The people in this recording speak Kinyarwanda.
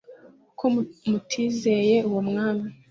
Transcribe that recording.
kuko mutizeye uwo mwami